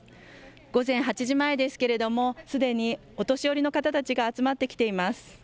午前８時前ですけれども、すでにお年寄りの方たちが集まってきています。